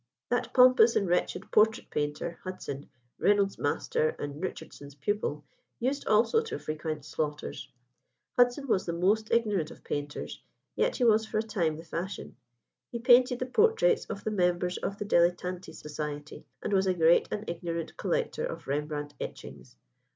That pompous and wretched portrait painter, Hudson, Reynolds's master and Richardson's pupil, used also to frequent Slaughter's. Hudson was the most ignorant of painters, yet he was for a time the fashion. He painted the portraits of the members of the Dilettanti Society, and was a great and ignorant collector of Rembrandt etchings.